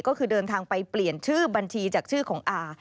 ก็คือเดินทางไปเปลี่ยนชื่อบัญชีจากชื่อของอา